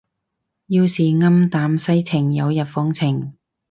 要是暗淡世情有日放晴